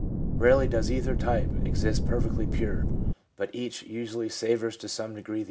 Rarely does either type exist perfectly pure, but each usually savours to some degree of the other.